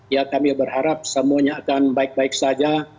ya kami berharap semuanya akan baik baik saja